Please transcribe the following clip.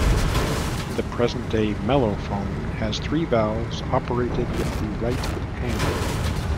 The present-day mellophone has three valves, operated with the right hand.